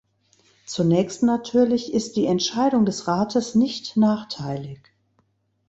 Zunächst natürlich ist die Entscheidung des Rates nicht nachteilig.